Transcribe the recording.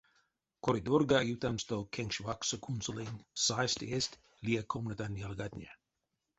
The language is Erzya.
Коридорга ютамсто кенкш вакссо кунсолынь: стясть-эзть лия комнатань ялгатне.